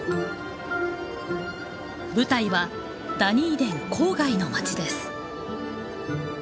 舞台はダニーデン郊外の町です。